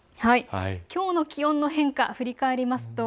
きょうの気温の変化、振り返ります。